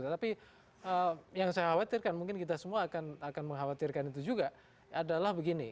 tetapi yang saya khawatirkan mungkin kita semua akan mengkhawatirkan itu juga adalah begini